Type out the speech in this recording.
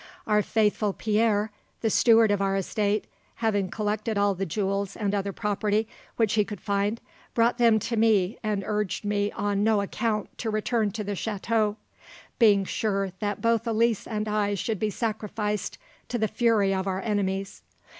Our faithful Pierre, the steward of our estate, having collected all the jewels and other property which he could find, brought them to me and urged me on no account to return to the chateau, being sure that both Elise and I should be sacrificed to the fury of our enemies.